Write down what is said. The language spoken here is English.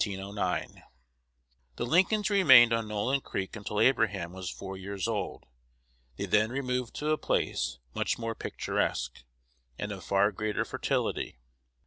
The Lincolns remained on Nolin Creek until Abraham was four years old. They then removed to a place much more picturesque, and of far greater fertility.